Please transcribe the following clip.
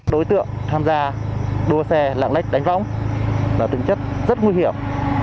đối tượng tham gia đua xe lạng lách đánh vong là tình chất rất nguy hiểm